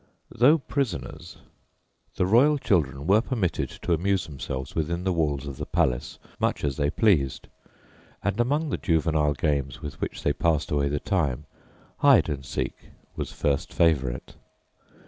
Though prisoners, the royal children were permitted to amuse themselves within the walls of the palace much as they pleased, and among the juvenile games with which they passed away the time, "hide and seek" was first favourite.